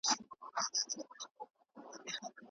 هغه پرون د خپلو ورځنیو چارو لپاره ښه لست جوړ کړ.